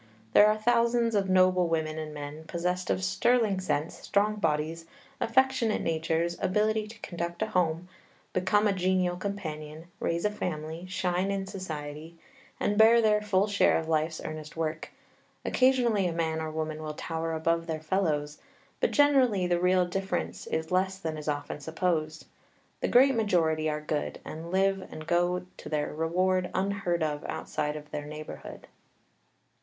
There are thousands of noble women and men, possessed of sterling sense, strong bodies, affectionate natures, ability to conduct a home, become a genial companion, raise a family, shine in society, and bear their full share of life's earnest work. Occasionally a man or woman will tower above their fellows, but, generally, the real difference is less than is often supposed. The great majority are good, and live and go to their reward unheard of outside of their neighborhood.